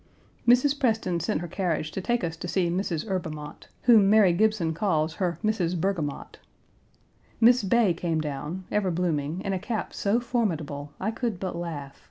Mrs. Preston sent her carriage to take us to see Mrs. Herbemont, whom Mary Gibson calls her "Mrs. Burgamot." Miss Bay came down, ever blooming, in a cap so formidable, I could but laugh.